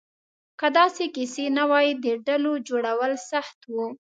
که داسې کیسې نه وې، د ډلو جوړول سخت وو.